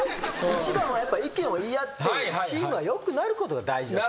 一番は意見を言い合ってチームが良くなることが大事だと。